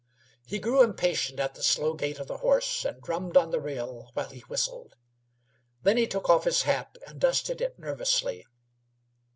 He grew impatient at the slow gait of the horse, and drummed on the rail while he whistled. Then he took off his hat and dusted it nervously.